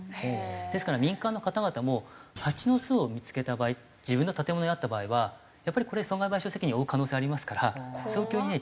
ですから民間の方々もハチの巣を見付けた場合自分の建物にあった場合は損害賠償責任を負う可能性がありますから早急にね